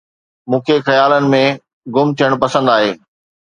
مون کي خيالن ۾ گم ٿيڻ پسند آهي